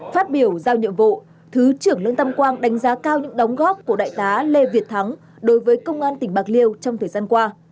phát biểu giao nhiệm vụ thứ trưởng lương tâm quang đánh giá cao những đóng góp của đại tá lê việt thắng đối với công an tỉnh bạc liêu trong thời gian qua